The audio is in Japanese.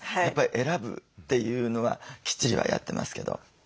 やっぱり選ぶっていうのはきっちりはやってますけど。